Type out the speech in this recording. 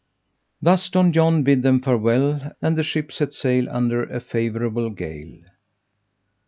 Thus Don John bid them farewell, and the ship set sail under a favourable gale.